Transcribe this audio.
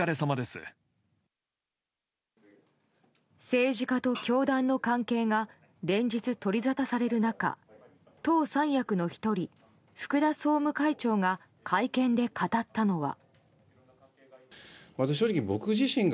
政治家と教団の関係が連日取りざたされる中党三役の１人、福田総務会長が会見で語ったのは。